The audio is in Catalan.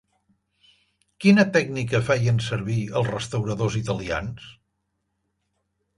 Quina tècnica feien servir els restauradors italians?